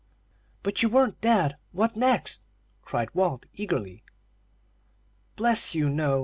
"But you weren't dead? What next?" cried Walt, eagerly. "Bless you, no!